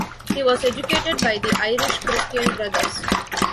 He was educated by the Irish Christian Brothers.